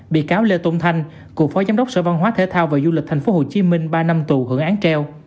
bị cáo lê tôn thanh cựu phó giám đốc sở văn hóa thể thao và du lịch tp hcm ba năm tù hưởng án treo